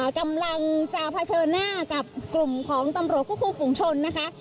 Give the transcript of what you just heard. กำลังจะเผชิญหน้ากับกลุ่มของตำรวจควบคุมฝุงชนนะคะ